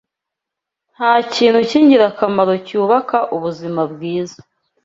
Nta kintu cy’ingirakamaro cyubaka ubuzima bwiza